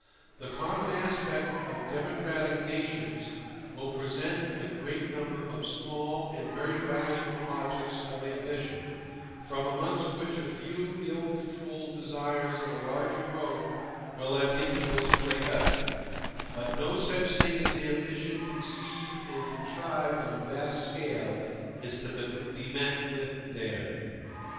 The common aspect of democratic nations will present a great number of small and very rational objects of ambition, from amongst which a few ill controlled desires of a larger growth will at intervals break out: but no such a thing as ambition conceived and contrived on a vast scale is to be met with there.